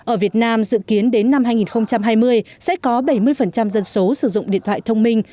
ở việt nam dự kiến đến năm hai nghìn hai mươi sẽ có bảy mươi dân số sử dụng điện thoại thông minh